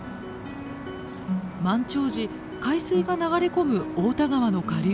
満潮時海水が流れ込む太田川の下流域。